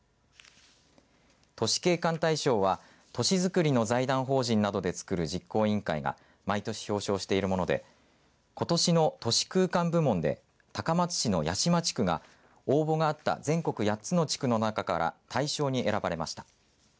都市景観大賞は都市づくりの財団法人などでつくる実行委員会が毎年、表彰しているものでことしの都市空間部門で高松市の屋島地区が応募があった全国８つの地区の中から大賞に選ばれました。